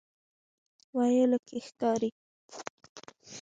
ویلو کې ښکاري.